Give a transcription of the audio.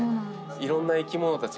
いろんな生き物たちが。